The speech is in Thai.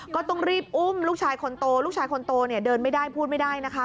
ก็ต้องรีบอุ้มลูกชายคนโตลูกชายคนโตเนี่ยเดินไม่ได้พูดไม่ได้นะคะ